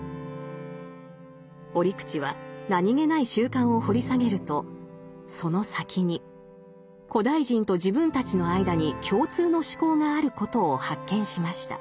折口は何気ない習慣を掘り下げるとその先に古代人と自分たちの間に共通の思考があることを発見しました。